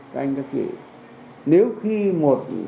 các anh các chị nếu khi một